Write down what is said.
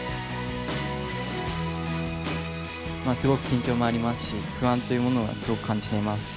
まあすごく緊張もありますし不安というものはすごく感じています。